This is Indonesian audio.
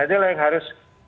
adalah yang harus